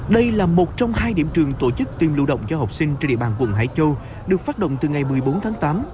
đây là một trong hai điểm trường tổ chức tiêm lưu động cho học sinh trên địa bàn quận hải châu được phát động từ ngày một mươi bốn tháng tám